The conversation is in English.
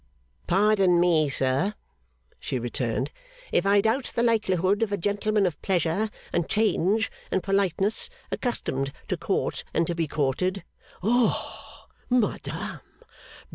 'Pardon me, sir,' she returned, 'if I doubt the likelihood of a gentleman of pleasure, and change, and politeness, accustomed to court and to be courted ' 'Oh madam!